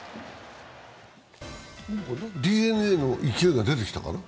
ＤｅＮＡの勢いが出てきたかな？